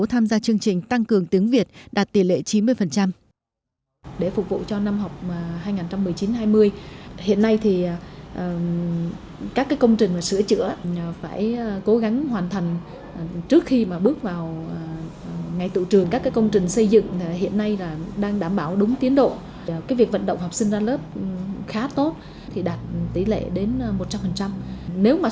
tham gia chương trình tăng cường tiếng việt đạt tỷ lệ chín mươi